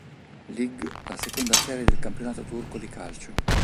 Lig, la seconda serie del campionato turco di calcio.